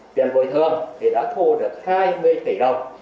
tiền bồi thường thì đã thu được hai mươi tỷ đồng